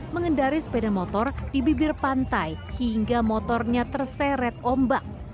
mengendari sepeda motor di bibir pantai hingga motornya terseret ombak